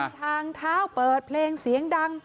ทางเท้าเปิดเพลงเสียงดัง